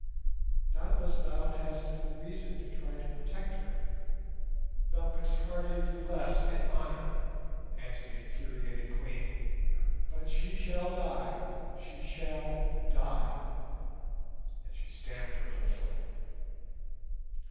"Doubtless thou hast good reason to try to protect her. Thou couldst hardly do less in honour," answered the infuriated Queen; "but she shall die—she shall die," and she stamped her little foot.